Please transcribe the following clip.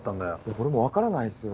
俺も分からないんすよ。